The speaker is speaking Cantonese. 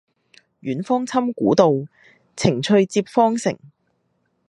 遠芳侵古道，晴翠接荒城。